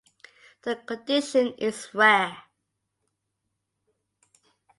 The condition is rare.